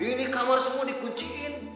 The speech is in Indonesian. ini kamar semua dikunciin